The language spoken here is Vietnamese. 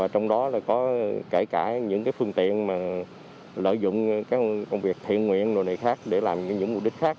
trong đó có những phương tiện lợi dụng công việc thiện nguyện để làm những mục đích khác